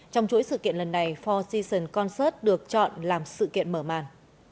trong chuỗi sự kiện lần này four seasons concert được chọn làm sự kiện mở màn